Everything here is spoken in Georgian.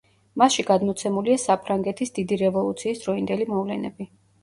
მასში გადმოცემულია საფრანგეთის დიდი რევოლუციის დროინდელი მოვლენები.